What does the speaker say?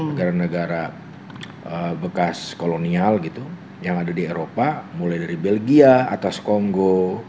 negara negara bekas kolonial gitu yang ada di eropa mulai dari belgia atau kongo